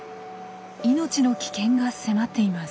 命の危険が迫っています。